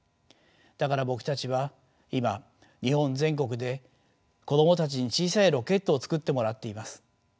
だから僕たちは今日本全国で子どもたちに小さいロケットを作ってもらっています。